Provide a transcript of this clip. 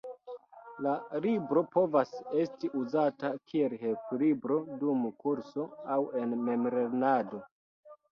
La libro povas esti uzata kiel helplibro dum kurso, aŭ en memlernado.